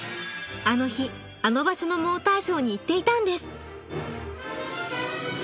あの日あの場所のモーターショーに行っていたんです。